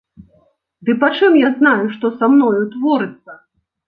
Ды пачым я знаю, што са мною творыцца?